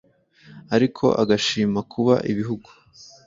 ariko agashima kuba ibihugu